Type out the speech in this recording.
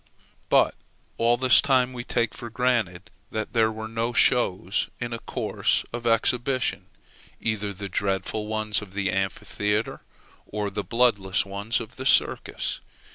But all this time we take for granted that there were no shows in a course of exhibition, either the dreadful ones of the amphitheatre, or the bloodless ones of the circus.